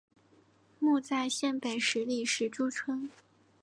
墓在县北十里石柱村。